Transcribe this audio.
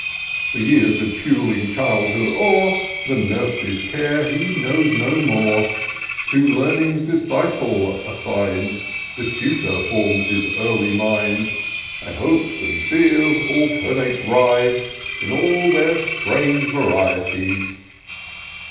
The years of puling childhood o'er. The nurse's care he knows no more : IN SEARCH OF THE PICTURESQUE. 243 To learning's discipline assigned. The tutor forms his early mind ; And hopes and fears alternate rise, In all their strange varieties.